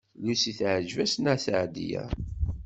Lucy teɛjeb-as Nna Seɛdiya.